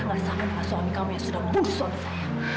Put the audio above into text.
nggak sama dengan suami kamu yang sudah bunuh suami saya